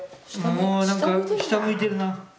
もうなんか下向いてるな。